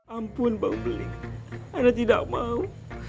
ampun bangbeli karena tidak mau